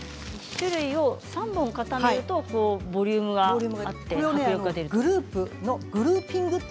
種類を３本固めるとボリュームがあって華やかに。